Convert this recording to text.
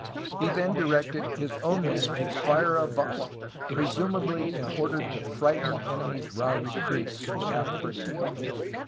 He then directed his own men to fire a volley, presumably in order to frighten the enemy's raw recruits without hurting them.